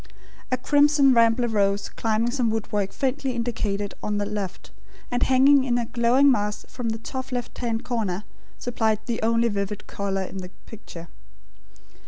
A crimson rambler rose climbing some woodwork faintly indicated on the left, and hanging in a glowing mass from the top left hand corner, supplied the only vivid colour in the picture.